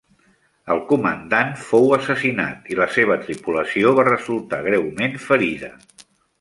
El comandant fou assassinat i la seva tripulació va resultar greument ferida.